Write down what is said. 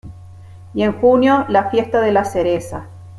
Y en junio la fiesta de la cereza.